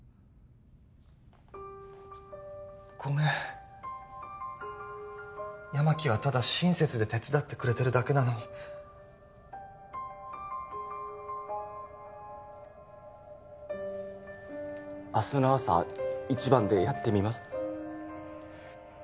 ごめん八巻はただ親切で手伝ってくれてるだけなのに明日の朝一番でやってみます